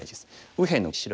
右辺の白